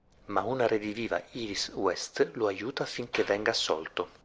Ma una rediviva Iris West lo aiuta affinché venga assolto.